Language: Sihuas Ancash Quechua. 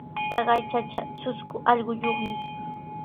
Taqay chacha trusku allquyuqmi.